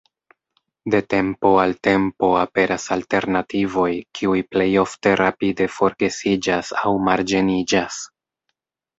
De tempo al tempo aperas alternativoj, kiuj plej ofte rapide forgesiĝas aŭ marĝeniĝas.